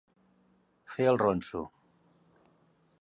Fer el ronso.